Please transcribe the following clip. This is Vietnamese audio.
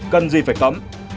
cần gì phải cấm